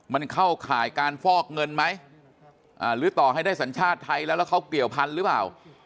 มันเข้าข่ายการฟอกเงินไหมหรือต่อให้ได้สัญชาติไทยแล้วแล้วเขาเกี่ยวพันธุ์หรือเปล่า